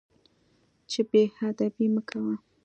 چې بې ادبي مه کوه.